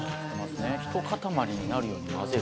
ひと塊になるように混ぜる。